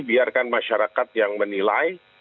biarkan masyarakat yang menilai